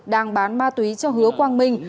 đang bán ma túy cho hứa quang minh